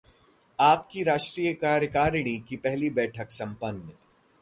‘आप’ की राष्ट्रीय कार्यकारिणी की पहली बैठक संपन्न